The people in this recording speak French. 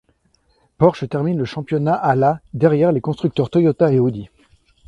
Porsche termine le championnat à la derrière les constructeurs Toyota et Audi.